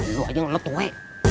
lu aja yang letue